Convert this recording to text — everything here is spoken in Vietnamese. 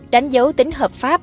đánh dấu tính hợp pháp